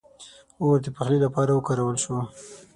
• اور د پخلي لپاره وکارول شو.